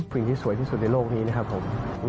ผู้หญิงที่สวยที่สุดในโลกนี้นะครับผม